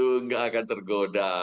tidak akan tergoda